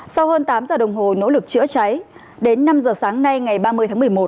sau hơn tám giờ đồng hồ nỗ lực chữa cháy đến năm giờ sáng nay ngày ba mươi tháng một mươi một